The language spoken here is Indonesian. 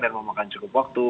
dan memakan cukup waktu